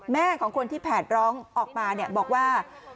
ของคนที่แผดร้องออกมาบอกว่า